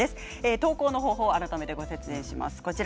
投稿の方法を改めてご紹介します。